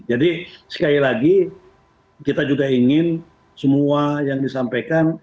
jadi sekali lagi kita juga ingin semua yang disampaikan